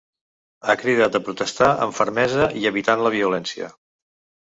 Ha cridat a protestar amb fermesa i evitant la violència.